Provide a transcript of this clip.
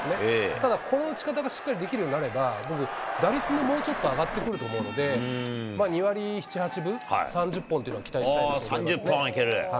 ただこの打ち方がしっかりできるようになれば、打率ももうちょっと上がってくると思うので、２割７、８分、３０本っていうの３０本はいける？